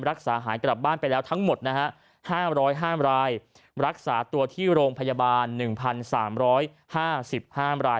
รักษาหายกลับบ้านไปแล้วทั้งหมดนะฮะ๕๐๕รายรักษาตัวที่โรงพยาบาล๑๓๕๕ราย